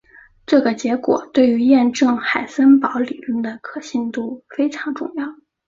这个结果对于验证海森堡理论的可信度非常重要。